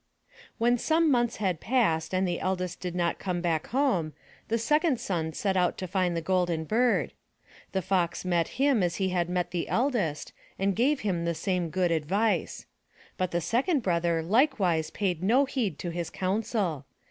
When some months had passed and the eldest did not come back home, the second son set out to find the Golden Bird. The Fox met him as he had met the eldest and gave him the same good advice. But the second brother likewise paid no heed to his counsel.